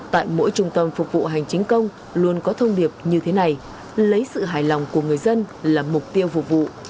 tại mỗi trung tâm phục vụ hành chính công luôn có thông điệp như thế này lấy sự hài lòng của người dân là mục tiêu phục vụ